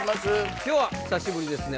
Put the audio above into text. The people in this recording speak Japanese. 今日は久しぶりですね